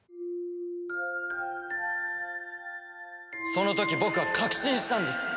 その時僕は確信したんです。